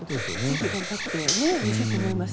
ぜひ頑張ってほしいと思います。